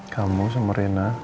kamu sama rena